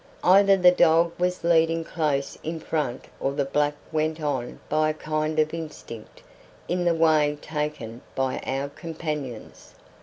Either the dog was leading close in front or the black went on by a kind of instinct in the way taken by our companions.